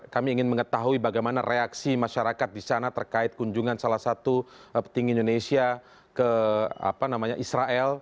kami ingin mengetahui bagaimana reaksi masyarakat di sana terkait kunjungan salah satu petinggi indonesia ke israel